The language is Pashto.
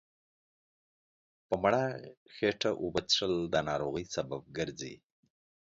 په لمړه هيټه اوبه څښل دا ناروغۍ سبب ګرځي